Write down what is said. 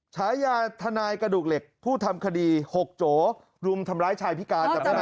ฉายาทนายกระดูกเหล็กผู้ทำคดี๖โจรุมทำร้ายชายพิการจำได้ไหม